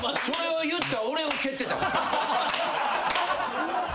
それを言った俺を蹴ってた。